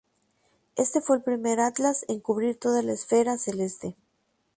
Este fue el primer atlas en cubrir toda la esfera celeste.